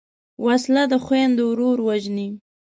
وسله د خویندو ورور وژني